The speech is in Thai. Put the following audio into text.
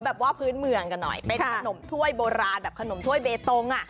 แบบว่าพื้นเมืองกันหน่อยเป็นขนมถ้วยโบราณแบบขนมถ้วยเบตงอ่ะ